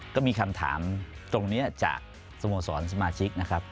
ก็มีคำถามตรงนี้จากสโมสรสมาชิกนะครับ